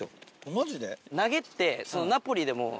マジで？